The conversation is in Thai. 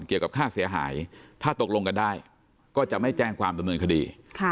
เกี่ยวกับค่าเสียหายถ้าตกลงกันได้ก็จะไม่แจ้งความดำเนินคดี